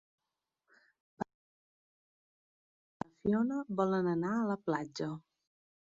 Per Sant Jordi na Nit i na Fiona volen anar a la platja.